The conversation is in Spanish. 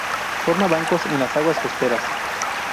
Forma bancos en las aguas costeras.